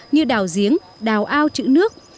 như đào giếng đào ao trữ nước